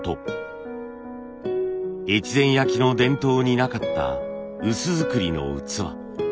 越前焼の伝統になかった薄作りの器。